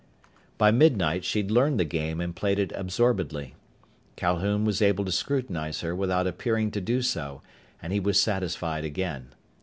By midnight she'd learned the game and played it absorbedly. Calhoun was able to scrutinize her without appearing to do so, and he was satisfied again.